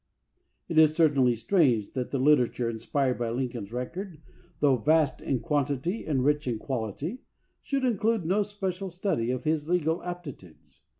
It is certainly strange that the literature in spired by Lincoln's record, though vast in quan titjr and rich in quality, should include no special study of his legal aptitudes.